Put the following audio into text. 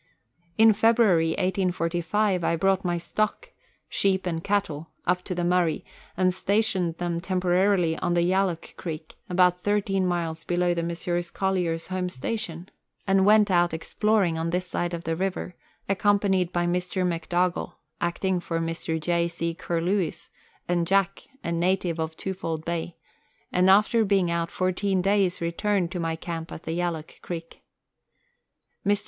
In February 1845, 1 brought my stock (sheep and cattle) up to the Murray, and stationed them temporarily on the Yalloak Creek, about thirteen miles below the Messrs. Collyer's home station, 144 Letters from Victorian Pioneers. and went out exploring on this side of the river, accompanied by Mr. McDougall (acting for Mr. J. C. Curlewis) and Jack, a native of Twofold Bay, and after being out fourteen days returned to my camp at the Yalloak Creek. Mr.